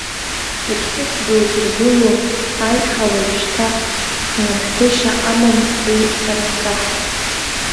Иԥсыз дузыргыло аиҳа, уажәшьҭа хнырҳәышьа амам уи сара саҳра.